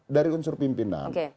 dari unsur pimpinan